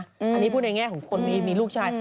อันนี้พูดในแง่ของคนมีลูกชาย